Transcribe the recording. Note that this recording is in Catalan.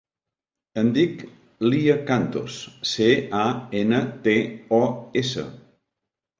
Em dic Lya Cantos: ce, a, ena, te, o, essa.